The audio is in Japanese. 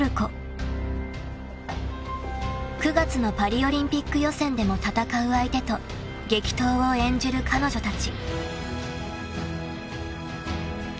［９月のパリオリンピック予選でも戦う相手と激闘を演じる彼女たち］